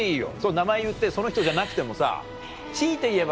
名前言ってその人じゃなくてもさ強いて言えば。